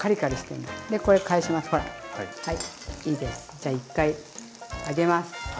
じゃあ一回上げます。